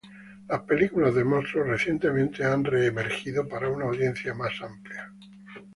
Las películas de monstruos recientemente han re-emergido para una audiencia más amplia.